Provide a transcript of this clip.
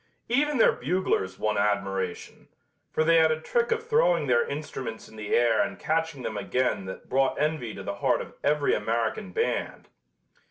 Even their buglers won admiration, for they had a trick of throwing their instruments in the air and catching them again that brought envy to the heart of every American band.